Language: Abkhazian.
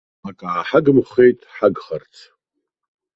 Акы ааҳагымхеит ҳагхарц.